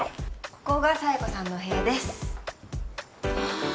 ここが佐弥子さんのお部屋ですうわ